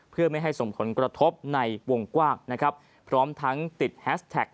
เพื่อไม่ให้สมค้นกระทบในวงกว้างพร้อมทั้งติดแฮชแท็ก